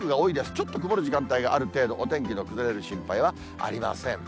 ちょっと曇る時間帯がある程度、お天気の崩れる心配はありません。